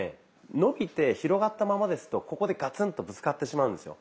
伸びて広がったままですとここでガツンとぶつかってしまうんですよ。